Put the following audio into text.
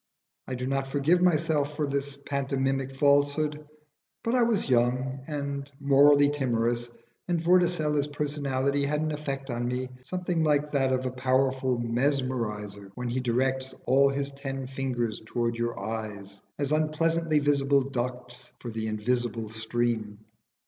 I do not forgive myself for this pantomimic falsehood, but I was young and morally timorous, and Vorticella's personality had an effect on me something like that of a powerful mesmeriser when he directs all his ten fingers towards your eyes, as unpleasantly visible ducts for the invisible stream.